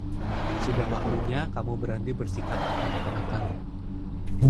Sudah waktunya kamu berhenti bersikap kekanak-kanakan.